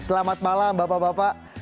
selamat malam bapak bapak